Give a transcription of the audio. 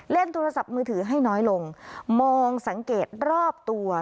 โทรศัพท์มือถือให้น้อยลงมองสังเกตรอบตัว